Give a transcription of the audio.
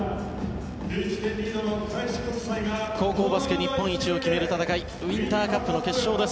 日本一を決める戦いウインターカップの決勝です。